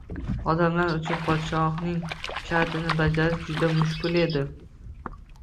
Odamlar uchun podshohning shartini bajarish juda mushkul edi